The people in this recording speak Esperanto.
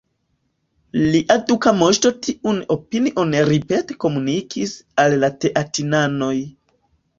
Lia duka moŝto tiun opinion ripete komunikis al la teatinanoj.